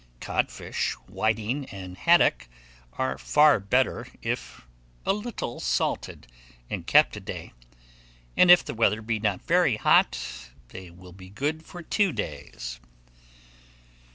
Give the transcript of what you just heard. Cod fish, whiting, and haddock, are far better if a little salted, and kept a day; and if the weather be not very hot, they will be good for two days.